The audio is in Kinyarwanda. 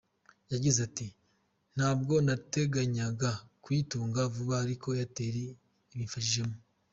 Yagize ati “Ntabwo nateganyaga kuyitunga vuba ariko Airtel ibimfashijemo.